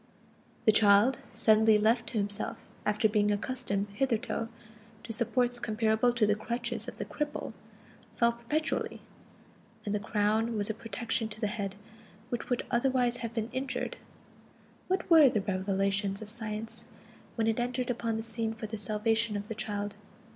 The child, suddenly left to himself after being accustomed hitherto to supports comparable to the crutches of the cripple, fell perpetually, and the crown was a protection to the head, which would otherwise have been injured. What were the revelations of Science, when it entered upon the scene for the salvation of the child?